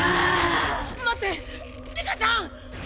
待って里香ちゃん！